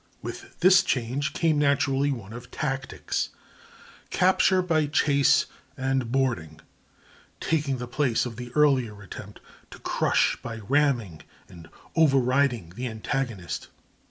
With this change came naturally one of tactics, capture by chase and boarding taking the place of the earlier attempt to crush by ramming and overriding the antagonist.